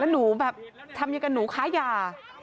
หนูแบบทำอย่างกับหนูค้ายา